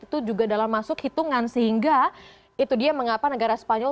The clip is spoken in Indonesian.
itu juga dalam masuk hitungan sehingga itu dia mengapa negara spanyol